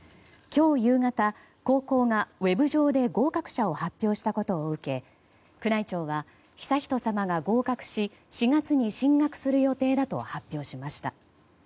今日夕方、高校がウェブ上で合格者を発表したことを受け宮内庁は悠仁さまが合格し４月に進学する予定だと発表しました。